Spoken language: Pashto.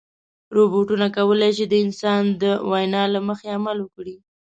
روبوټونه کولی شي د انسان د وینا له مخې عمل وکړي.